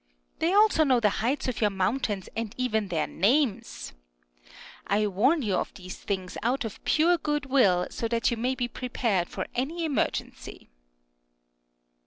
They also know the heights of your moun tains, and even their names. I warn you of these things out of pure good will, so that you may be pre pared for any emergency.